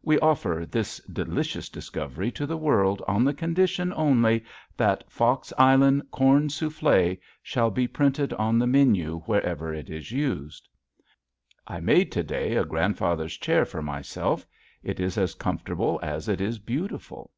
We offer this delicious discovery to the world on the condition only that "Fox Island Corn Souffle" shall be printed on the menu wherever it is used. I made to day a grandfather's chair for myself. It is as comfortable as it is beautiful.